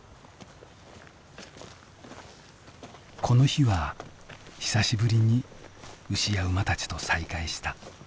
この日は久しぶりに牛や馬たちと再会した。